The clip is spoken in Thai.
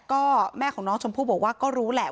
ก็แม่ของน้องชมพู่บอกว่าก็รู้แหละ